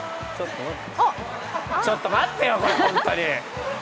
ちょっと待ってよ、本当に！